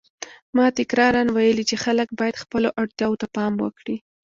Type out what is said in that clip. ما تکراراً ویلي چې خلک باید خپلو اړتیاوو ته پام وکړي.